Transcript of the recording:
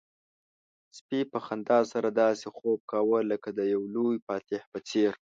سپي په خندا سره داسې خوب کاوه لکه د یو لوی فاتح په څېر.